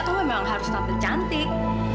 itu memang harus tampil cantik